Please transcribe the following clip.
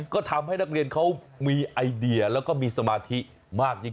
ก็ทำให้นักเรียนเขามีไอเดียแล้วก็มีสมาธิมากยิ่ง